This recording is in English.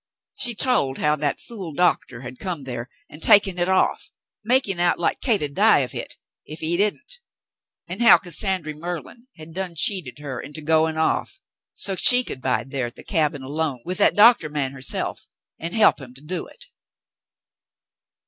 She told how that fool doctor had come there and taken "hit off. Frale Returns 163 makin' out like Cate'd die of hit ef he didn't," and how "Cassandry Merlin had done cheated her into goin' off so 't she could bide thar at the cabin alone with that doctah man herself an' he'p him do hit."